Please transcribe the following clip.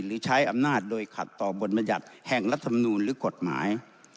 หรือใช้อำนาจโดยขัดต่อบนมัยัดแห่งลักษณุนหรือกฎหมาย